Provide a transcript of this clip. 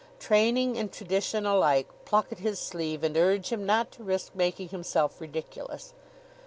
Training and tradition alike pluck at his sleeve and urge him not to risk making himself ridiculous.